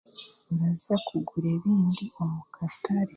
Ninza kugura ebindi omu katare